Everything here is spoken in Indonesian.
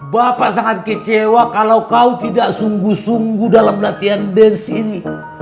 bapak sangat kecewa kalau kau tidak sungguh sungguh dalam latihan dance ini